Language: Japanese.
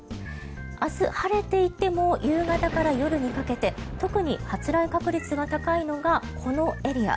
明日、晴れていても夕方から夜にかけて特に発雷確率が高いのがこのエリア。